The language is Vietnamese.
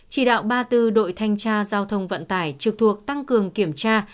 chỉ đạo ba mươi bốn đội thanh tra giao thông vận tải trực thuộc tăng cường kiểm tra